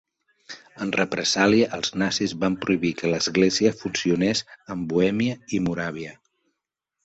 En represàlia, els nazis van prohibir que l'església funcionés en Bohèmia i Moràvia.